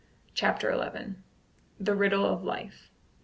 CHAPTER XI. THE RIDDLE OF LIFE.